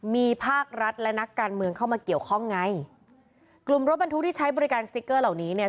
มีภาครัฐและนักการเมืองเข้ามาเกี่ยวข้องไงกลุ่มรถบรรทุกที่ใช้บริการสติ๊กเกอร์เหล่านี้เนี่ย